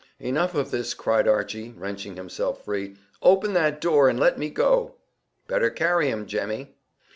"Enough of this," cried Archy, wrenching himself free. "Open that door, and let me go." "Better carry him, Jemmy."